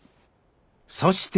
そして。